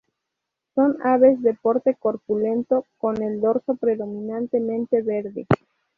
Son aves de porte corpulento con el dorso predominantemente verde.